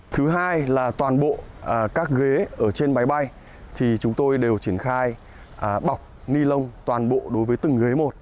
thứ hai là toàn bộ các ghế ở trên máy bay thì chúng tôi đều triển khai bọc ni lông toàn bộ đối với từng ghế một